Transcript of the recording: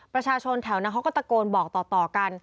ประชาชนแถวนั้นเขาก็ตะโกนบอกต่อกัน